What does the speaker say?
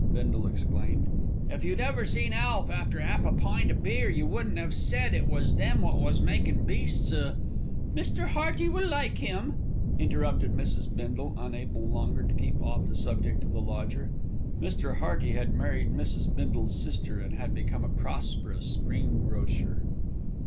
Bindle exclaimed. "If you'd ever seen Alf after 'alf a pint o' beer, you wouldn't 'ave said it was them wot was makin' beasts o' " "Mr. Hearty will like him," interrupted Mrs. Bindle, unable longer to keep off the subject of the lodger. Mr. Hearty had married Mrs. Bindle's sister, and had become a prosperous greengrocer.